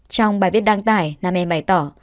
trong bài viết đăng tải nam em bày tỏ